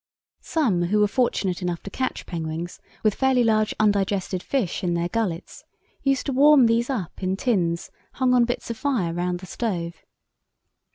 Some who were fortunate enough to catch penguins with fairly large undigested fish in their gullets used to warm these up in tins hung on bits of wire round the stove.